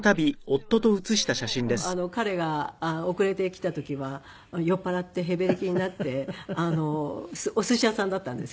でも私はもう彼が遅れて来た時は酔っ払ってへべれけになっておすし屋さんだったんですけど。